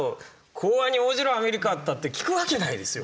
講和に応じろアメリカ！」って言ったって聞くわけないですよ。